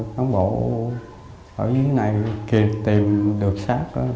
cán bộ ở dưới này tìm được sát